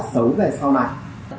xấu về sau này